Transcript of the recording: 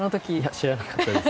知らなかったです。